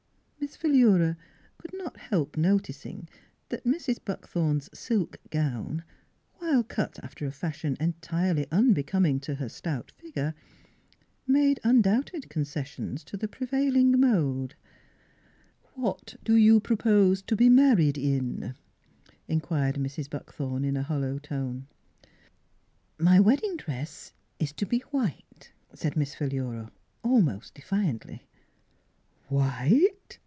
Miss Philura could not help noticing that ]Mrs. Buckthorn's silk gown, while cut after a fashion entirely unbecoming to her stout figure, made undoubted conces sions to the prevailing mode. Mhs Fhilura's Wedding Gown " What do you propose to be married in? " inquired Mrs. Buckthorn in a hollow tone. " My wedding dress is to be white," said Miss Philura almost defiantly. "White?"